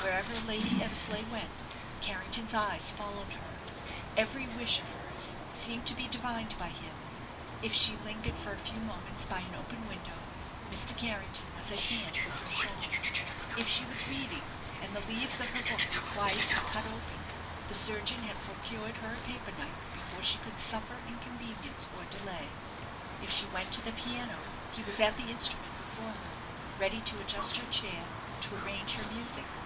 Wherever Lady Eversleigh went, Carrington's eyes followed her; every wish of hers seemed to be divined by him. If she lingered for a few moments by an open window, Mr. Carrington was at hand with her shawl. If she was reading, and the leaves of her book required to be cut open, the surgeon had procured her a paper knife before she could suffer inconvenience or delay. If she went to the piano, he was at the instrument before her, ready to adjust her chair, to arrange her music.